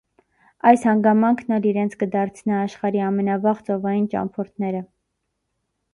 Այս հանգամանքն ալ իրենց կը դարձնէ աշխարհի ամենավաղ ծովային ճամբորդները։